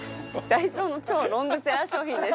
ダイソーの超ロングセラー商品です。